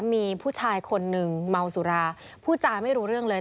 มีผู้ชายคนหนึ่งเมาสุราผู้จาไม่รู้เรื่องเลย